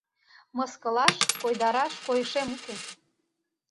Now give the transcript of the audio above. Мыскылаш, койдараш койышем уке.